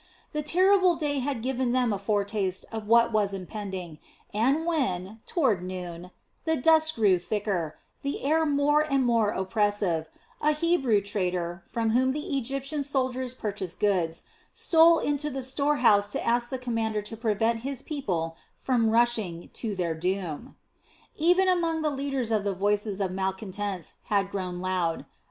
The terrible day had given them a foretaste of what was impending and when, toward noon, the dust grew thicker, the air more and more oppressive, a Hebrew trader, from whom the Egyptian soldiers purchased goods, stole into the store house to ask the commander to prevent his people from rushing to their doom. Even among the leaders the voices of malcontents had grown loud.